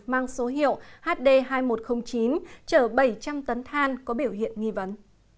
mang số hiệu hd hai nghìn một trăm linh chín chở bảy trăm linh tấn than có biểu hiện nghi vấn